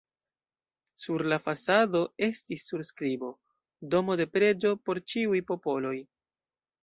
Sur la fasado estis surskribo: "Domo de preĝo por ĉiuj popoloj".